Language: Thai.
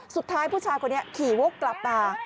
สุดท้ายผู้ชายคนนี้ขี่วกกลับมา